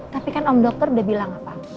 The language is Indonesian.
tapi kan om dokter udah bilang apa